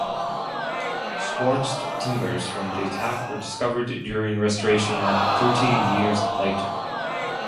Scorched timbers from the attack were discovered during restoration work thirty years later.